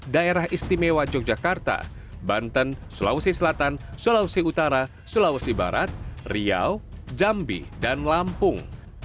daerah istimewa yogyakarta banten sulawesi selatan sulawesi utara sulawesi barat riau jambi dan lampung